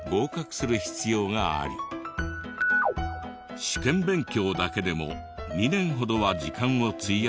合格する必要があり試験勉強だけでも２年ほどは時間を費やすらしい。